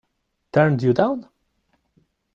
Turned you down?